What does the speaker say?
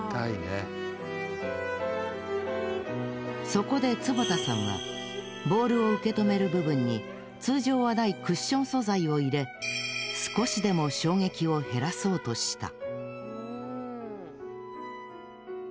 そこで坪田さんはボールを受け止める部分に通常はないクッション素材を入れ少しでも衝撃を減らそうとした。